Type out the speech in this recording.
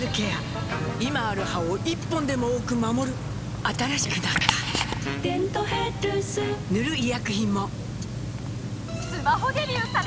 今ある歯を１本でも多く守る新しくなった「デントヘルス」塗る医薬品も